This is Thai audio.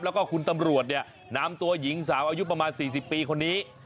แล้วก็คุณตำรวจเนี่ยนำตัวหญิงสาวอายุประมาณ๔๐ปีคนนี้